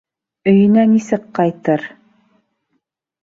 Өйөнә нисек ҡайтыр?!